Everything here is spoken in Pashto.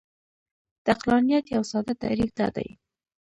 د عقلانیت یو ساده تعریف دا دی.